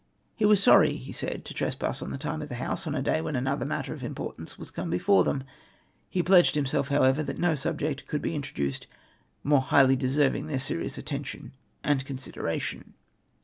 He was sorry, he said, to trespass on the time of the House, on a day when another matter of importance was to come before them. He pledged himself, however, that no subject could be introduced more highly deserving their seri(jus attention and consideration."